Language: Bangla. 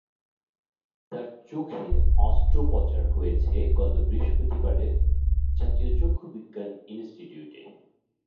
তার চোখে অস্ত্রোপচার হয়েছে গত বৃহস্পতিবার জাতীয় চক্ষুবিজ্ঞান ইনস্টিটিউটে।